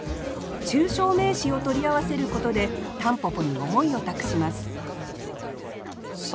抽象名詞を取り合わせることで蒲公英に思いを託しますさあ